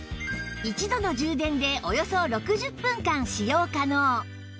一度の充電でおよそ６０分間使用可能